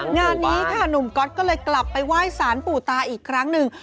งานนี้ค่ะหนุ่มก๊อตก็เลยกลับไปไหว้สารปู่ตาอีกครั้งหนึ่ง